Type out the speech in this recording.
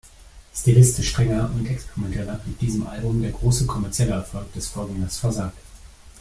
Stilistisch strenger und experimenteller, blieb diesem Album der große kommerzielle Erfolg des Vorgängers versagt.